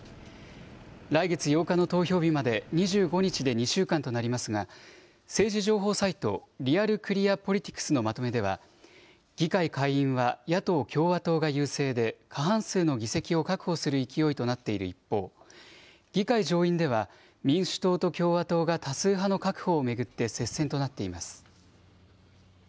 来月８日の投票日まで２５日で２週間となりますが、政治情報サイト、リアル・クリア・ポリティクスのまとめでは、議会下院は野党・共和党が優勢で過半数の議席を確保する勢いとなっている一方、議会上院では、民主党と共和党が多数派の確保を巡って接戦となっています。